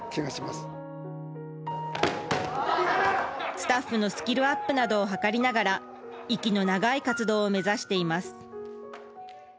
スタッフのスキルアップなどを図りながら息の長い活動を目指しています。